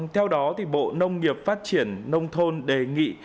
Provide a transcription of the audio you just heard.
theo đó bộ nông nghiệp phát triển nông thôn đề nghị